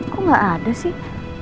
kok nggak ada sih